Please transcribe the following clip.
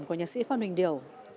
của nhạc sĩ phan huỳnh điều